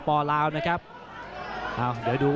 เผ่าฝั่งโขงหมดยก๒